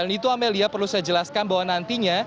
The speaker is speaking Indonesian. selain itu amelia perlu saya jelaskan bahwa nantinya